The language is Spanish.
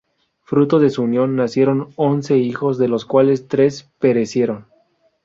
Fruto de su unión, nacieron once hijos, de los cuales tres perecieron.